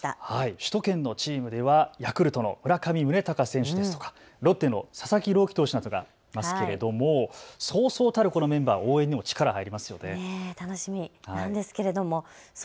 首都圏のチームではヤクルトの村上宗隆選手ですとかロッテの佐々木朗希投手などがいますけれどもそうそうたるこのメンバー、応援にも力入りますよね。